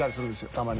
たまに。